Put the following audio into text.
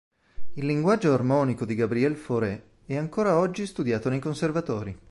Il linguaggio armonico di Gabriel Fauré è ancora oggi studiato nei conservatori.